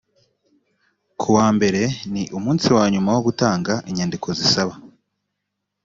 ku wa mbere ni umunsi wa nyuma wo gutanga inyandiko zisaba